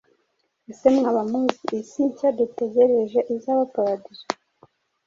ese mwaba muzi isi nshya dutegereje izaba paradizo,